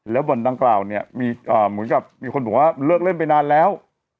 บ่อนดังกล่าวเนี่ยมีเหมือนกับมีคนบอกว่าเลิกเล่นไปนานแล้ว